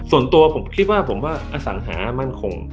ส่วนตัวผมคิดว่าผมว่าอสัญหามั่นคง